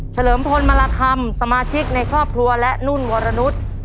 เลิมพลมาราคำสมาชิกในครอบครัวและนุ่นวรนุษย์